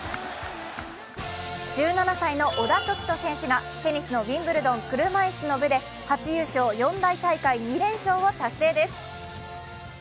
１７歳の織田凱人選手がテニスのウィンブルドン・車いすの部で初優勝四大大会２連勝を達成です。